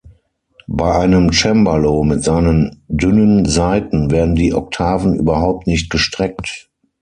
Bei einem Cembalo mit seinen dünnen Saiten werden die Oktaven überhaupt nicht gestreckt.